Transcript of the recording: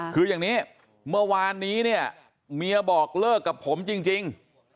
คืออย่างนี้เมื่อวานนี้เนี่ยเมียบอกเลิกกับผมจริง